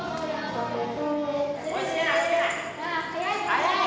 速い！